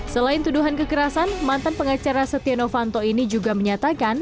selain tuduhan kekerasan mantan pengacara setia novanto ini juga menyatakan